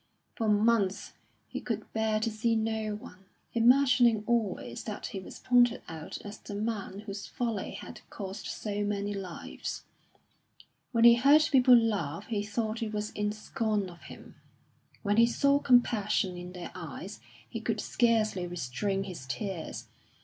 For months he could bear to see no one, imagining always that he was pointed out as the man whose folly had cost so many lives. When he heard people laugh he thought it was in scorn of him; when he saw compassion in their eyes he could scarcely restrain his tears.